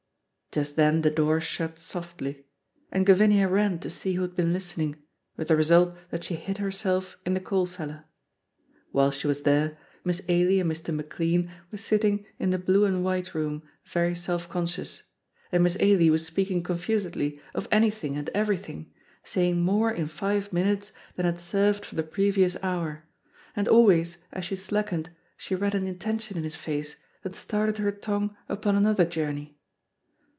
Just then the door shut softly; and Gavinia ran to see who had been listening, with the result that she hid herself in the coal cellar. While she was there, Miss Ailie and Mr. McLean were sitting in the blue and white room very self conscious, and Miss Ailie was speaking confusedly of anything and everything, saying more in five minutes than had served for the previous hour, and always as she slackened she read an intention in his face that started her tongue upon another journey.